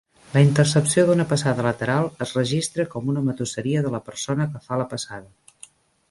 La intercepció d'una passada lateral es registra com una matusseria de la persona que fa la passada.